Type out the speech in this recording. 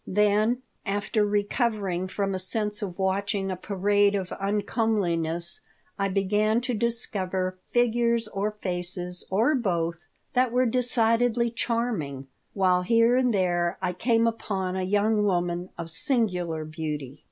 Then, after recovering from a sense of watching a parade of uncomeliness, I began to discover figures or faces, or both, that were decidedly charming, while here and there I came upon a young woman of singular beauty.